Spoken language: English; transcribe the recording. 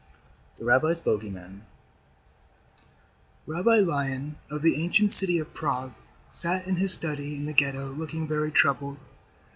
The Rabbi's Bogey Man Rabbi Lion, of the ancient city of Prague, sat in his study in the Ghetto looking very troubled.